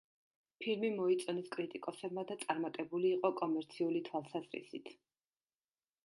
ფილმი მოიწონეს კრიტიკოსებმა და წარმატებული იყო კომერციული თვალსაზრისით.